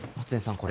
これ。